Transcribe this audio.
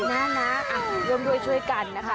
น่ารักร่วมด้วยช่วยกันนะคะ